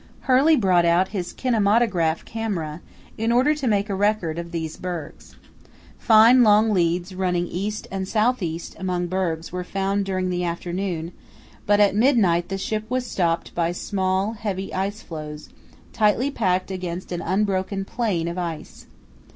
Hurley brought out his kinematograph camera, in order to make a record of these bergs. Fine long leads running east and south east among bergs were found during the afternoon, but at midnight the ship was stopped by small, heavy ice floes, tightly packed against an unbroken plain of ice.